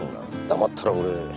黙ったら俺。